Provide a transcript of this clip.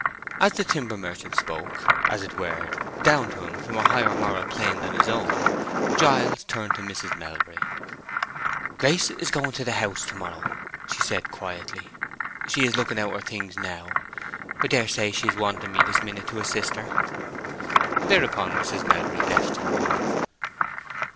As the timber merchant spoke, as it were, down to him from a higher moral plane than his own, Giles turned to Mrs. Melbury. "Grace is going to the House to morrow," she said, quietly. "She is looking out her things now. I dare say she is wanting me this minute to assist her." Thereupon Mrs. Melbury left the room.